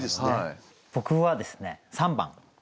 僕はですね３番。